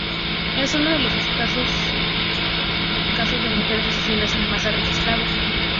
Es uno de los escasos casos de mujeres asesinas en masa registrados.